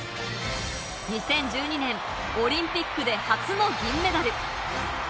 ２０１２年、オリンピックで初の銀メダル。